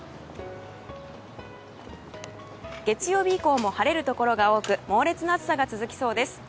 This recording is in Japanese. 月曜日以降も晴れるところが多く猛烈な暑さが続きそうです。